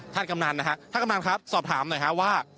อ๋อท่านกำนันนะครับท่านกำนันครับสอบถามหน่อยครับว่า